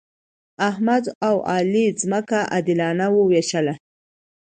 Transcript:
احمد او علي ځمکه عادلانه وویشله.